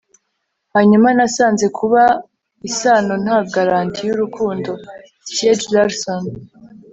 hanyuma nasanze kuba isano nta garanti y'urukundo! - stieg larsson